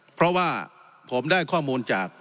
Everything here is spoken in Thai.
เพราะว่าผมได้ข้อมูลจาก